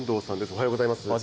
おはようございます。